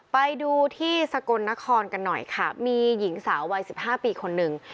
ไปดูที่สกลนครกันหน่อยค่ะมีหญิงสาววัยสิบห้าปีคนหนึ่ง